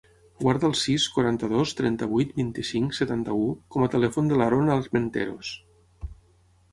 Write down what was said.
Guarda el sis, quaranta-dos, trenta-vuit, vint-i-cinc, setanta-u com a telèfon de l'Aron Armenteros.